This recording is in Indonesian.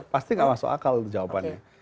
pasti nggak masuk akal itu jawabannya